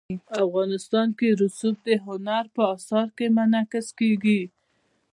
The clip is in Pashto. افغانستان کې رسوب د هنر په اثار کې منعکس کېږي.